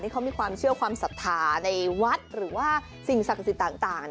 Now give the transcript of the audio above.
เขามีความเชื่อความศรัทธาในวัดหรือว่าสิ่งศักดิ์สิทธิ์ต่าง